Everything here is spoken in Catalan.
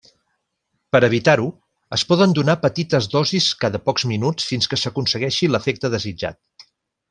Per evitar-ho, es poden donar petites dosis cada pocs minuts fins que s'aconsegueixi l'efecte desitjat.